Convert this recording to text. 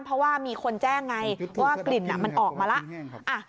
เพราะว่ามีคนแจ้งไงว่ากลิ่นมันออกมาแล้ว